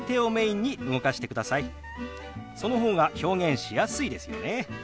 その方が表現しやすいですよね。